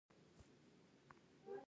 آیا دوی په ګوتو کې فیروزه نه اچوي؟